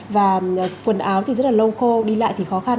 và quần áo thì rất là lâu khô đi lại thì khó khăn